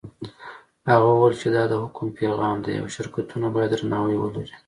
هغه وویل چې دا د حکم پیغام دی او شرکتونه باید درناوی ولري.